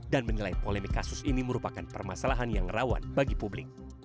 dan menilai polemik kasus ini merupakan permasalahan yang rawan bagi publik